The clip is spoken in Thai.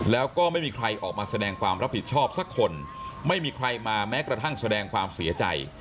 แล้วก็ไม่มีใครออกมาแสดงความรับผิดชอบสักคนไม่มีใครมาแม้กระทั่งแสดงความเสียใจ